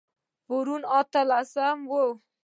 پرون اتلسمه وه